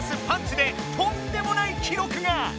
パンチでとんでもない記録が！